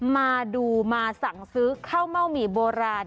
มาดูมาสั่งซื้อข้าวเม่าหมี่โบราณ